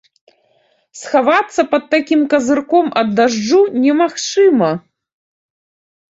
Схавацца пад такім казырком ад дажджу немагчыма!